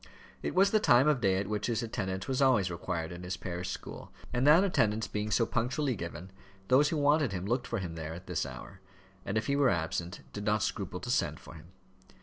It was the time of day at which his attendance was always required in his parish school; and that attendance being so punctually given, those who wanted him looked for him there at this hour, and if he were absent, did not scruple to send for him.